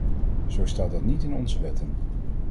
Zo staat dat niet in onze wetten.